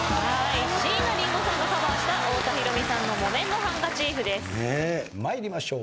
椎名林檎さんがカバーした太田裕美さんの『木綿のハンカチーフ』参りましょう。